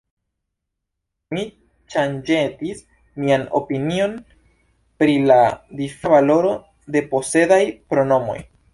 Mi ŝanĝetis mian opinion pri la difina valoro de posedaj pronomoj.